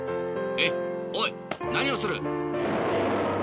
えっおいなにをする？